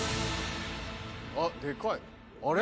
あっデカいあれ？